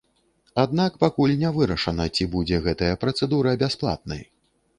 Аднак пакуль не вырашана, ці будзе гэтая працэдура бясплатнай.